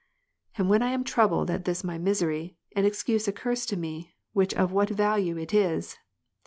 And when I am troubled at this my misery, an excuse occurs to me, which of what value it is.